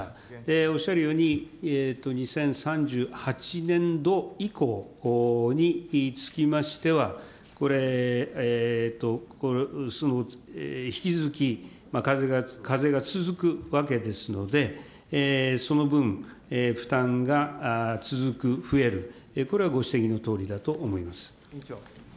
おっしゃるように、２０３８年度以降につきましては、引き続き課税が続くわけですので、その分、負担が続く、増える、これはご指摘のとおりだと思います。